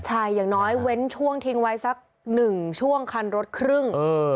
ใช่อย่างน้อยเว้นช่วงทิ้งไว้สักหนึ่งช่วงคันรถครึ่ง